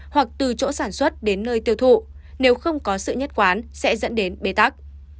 hoặc từ chỗ sản xuất đến nơi tiêu thụ nếu không có sự nhất quán sẽ dẫn đến bế tắc